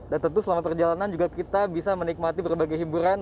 dan tentu selama perjalanan juga kita bisa menikmati berbagai hiburan